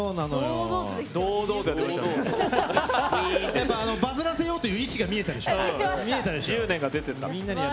やっぱり、バズらせようという意識が見えたでしょ。